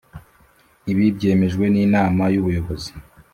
Ibi byemejwe n’Inama y Ubuyobozi